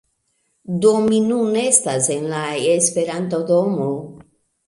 Do mi nun estas en la Esperanto-domo